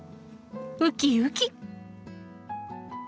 ウキウキ！